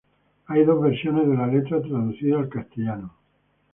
Hay dos versiones de la letra traducida al castellano.